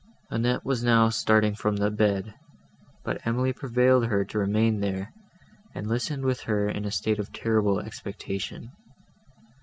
Annette was now starting from the bed, but Emily prevailed with her to remain there, and listened with her in a state of terrible expectation.